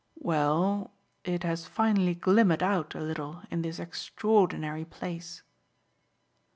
"Well it has finally glimmered out a little in this extraordinary place."